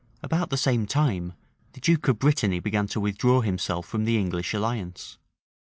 About the same time, the duke of Brittany began to withdraw himself from the English alliance.